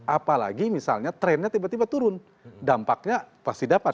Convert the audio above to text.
apalagi misalnya trennya tiba tiba turun dampaknya pasti dapat